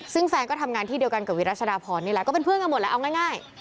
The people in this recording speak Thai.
ซึ่งแฟนก็ทำงานที่เดียวกันกับวิรัชดาพรนี่แหละก็เป็นเพื่อนกันหมดแหละเอาง่าย